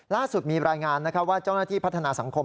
ล่าสุดมีรายงานว่าเจ้าหน้าที่พัฒนาสังคม